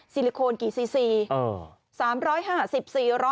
ซิลิโคนกี่ซีซีเอ่อ